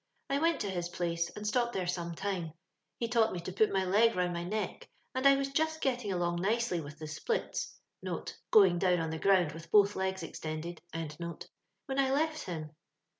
I went to his place, and stopped there some time. He taught me to put my leg round my neck, and I was just getting along nicely with the splits (going down on the ground with both legs extended), when I left him.